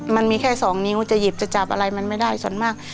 มันมีแค่สองนิ้วจะหยิบจะจับอะไรมันไม่ได้ส่วนมาก